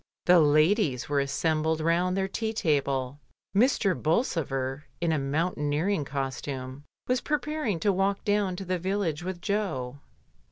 The ladies were assembled round their tea table, Mr. Bolsover, in a mountaineer ing costume, was preparing to walk down to the village with Jo.